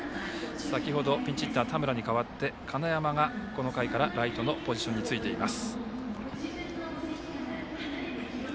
先ほどピンチヒッター、田村に代わって金山がこの回から、ライトのポジションについています。